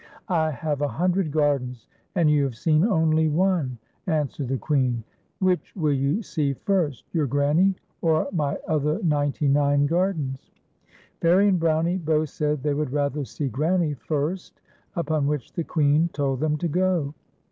" I have a hundred gardens, and you have seen only one," answered the Queen. "Which will you see first, your Grann\' or my other ninet\ nine gardens?" Fairie and Brownie both said they would rather see their Granny first, upon which the Queen told them to go.